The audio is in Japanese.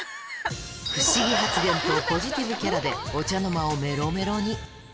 不思議発言とポジティブキャラでお茶の間をめろめろに。